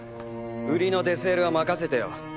売りのデセールは任せてよ。